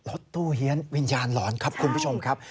รถตู้เฮียนวิญญาณหลอนครับคุณผู้ชมครับ